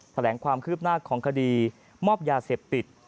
แถลงความคืบหน้าของคดีมอบยาเสพติด